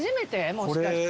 もしかして。